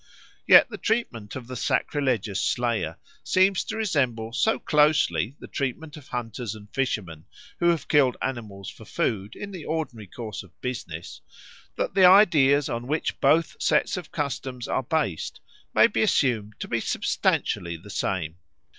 Yet the treatment of the sacrilegious slayer seems to resemble so closely the treatment of hunters and fishermen who have killed animals for food in the ordinary course of business, that the ideas on which both sets of customs are based may be assumed to be substantially the same.